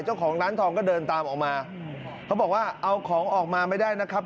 เจ้าของร้านทองก็เดินตามออกมาเขาบอกว่าเอาของออกมาไม่ได้นะครับ